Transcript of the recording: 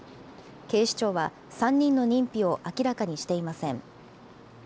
警視庁は３人の認否を明らかにしていません。